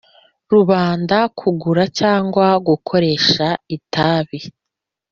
rubanda kugura cyangwa gukoresha itabi